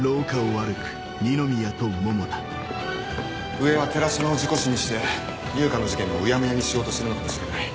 上は寺島を事故死にして悠香の事件もうやむやにしようとしてるのかもしれない。